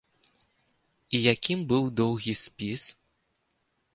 І якім быў доўгі спіс?